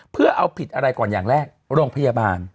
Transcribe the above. เพื่อเอาผิดอะไรก่อนอย่างแรกโรงพยาบาล